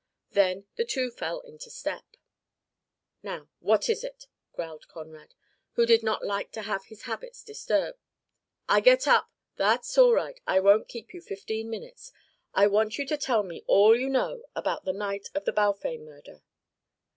Then the two fell into step. "Now, what is it?" growled Conrad, who did not like to have his habits disturbed. "I get up " "That's all right. I won't keep you fifteen minutes. I want you to tell me all you know about the night of the Balfame murder."